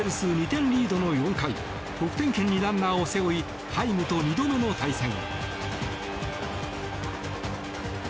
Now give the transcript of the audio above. ２点リードの４回得点圏にランナーを背負いハイムと２度目の対戦。